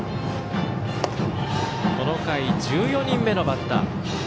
この回、１４人目のバッター。